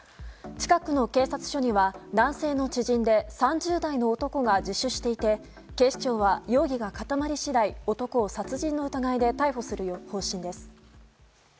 近くの警察署には男性の知人で３０代の男が自首していて警視庁は容疑が固まり次第男を殺人の疑いで逮捕する方針です。